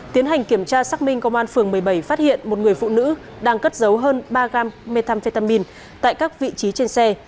tiến hành kiểm tra xác minh công an phường một mươi bảy phát hiện một người phụ nữ đang cất dấu hơn ba gram methamphetamin tại các vị trí trên xe